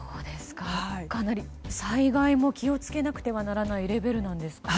かなり災害も気を付けなくてはならないレベルなんですか。